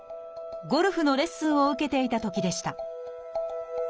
ゴルフのレッスンを受けていたときでした。